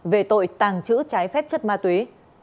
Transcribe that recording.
về tội tàng trữ trái phép chất ma túy